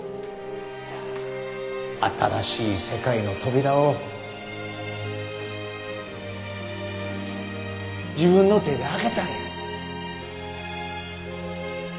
新しい世界の扉を自分の手で開けたんや。